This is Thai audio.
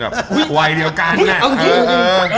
แบบวัยเดียวกันอะ